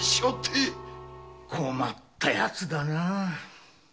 困ったやつだ